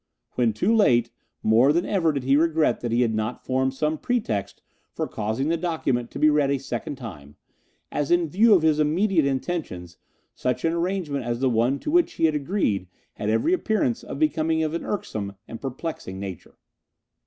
When too late, more than ever did he regret that he had not formed some pretext for causing the document to be read a second time, as in view of his immediate intentions such an arrangement as the one to which he had agreed had every appearance of becoming of an irksome and perplexing nature.